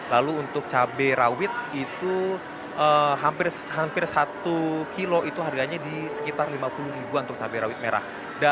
lalu untuk cabai rawit itu hampir satu kilo itu harganya di sekitar lima puluh ribuan untuk cabai rawit merah